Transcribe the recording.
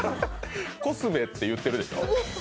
コスメって言ってるでしょう。